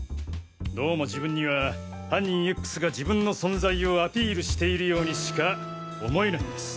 どうも自分には犯人Ｘが自分の存在をアピールしているようにしか思えないんです。